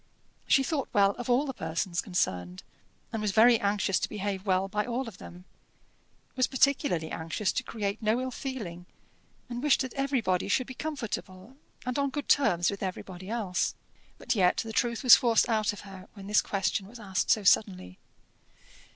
She thought well of all the persons concerned, and was very anxious to behave well by all of them; was particularly anxious to create no ill feeling, and wished that everybody should be comfortable, and on good terms with everybody else. But yet the truth was forced out of her when this question was asked so suddenly.